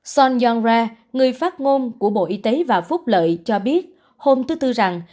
son yong ra người phát ngôn của bộ y tế và phúc lợi cho biết hôm thứ tư rằng